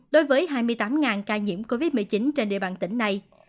đối với hai mươi tám ca nhiễm covid một mươi chín trên địa bàn tỉnh này